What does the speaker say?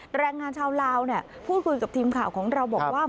แรงงานชาวลาวพูดคุยกับทีมข่าวของเราบอกว่า